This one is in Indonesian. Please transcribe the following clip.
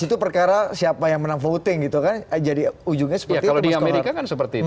itu siapa yang menang voting gitu kan aja di ujungnya seperti kalau di amerika kan seperti